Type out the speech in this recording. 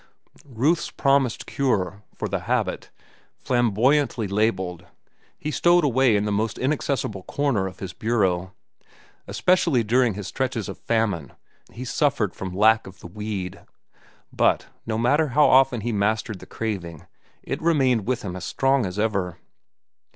Ruth's promised cure for the habit, flamboyantly labelled, he stowed away in the most inaccessible corner of his bureau. Especially during his stretches of famine he suffered from lack of the weed; but no matter how often he mastered the craving, it remained with him as strong as ever.